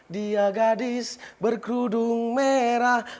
dia gadis berkerudung merah